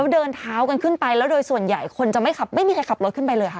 เดินเท้ากันขึ้นไปแล้วโดยส่วนใหญ่คนจะไม่ขับไม่มีใครขับรถขึ้นไปเลยค่ะ